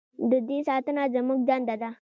د دې ساتنه زموږ دنده ده؟